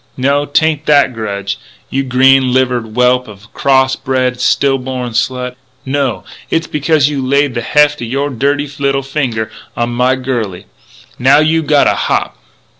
No, 'tain't that grudge, you green livered whelp of a cross bred, still born slut! No! It's becuz you laid the heft o' your dirty little finger onto my girlie. 'N' now you gotta hop!"